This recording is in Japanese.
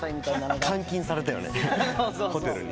監禁されたよねホテルに。